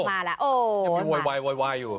ยังไปโวยวายอยู่